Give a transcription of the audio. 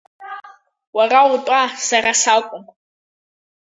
Уара утәа, сара сакәым!